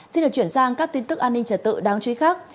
xin được chuyển sang các tin tức an ninh trở tự đáng chú ý khác